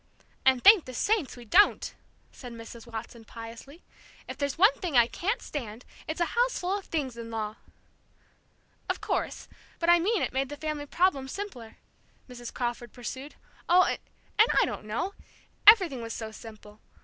"And thank the saints we don't!" said Mrs. Watson, piously. "If there's one thing I can't stand, it's a houseful of things in law!" "Of course; but I mean it made the family problem simpler," Mrs. Crawford pursued. "Oh and I don't know! Everything was so simple.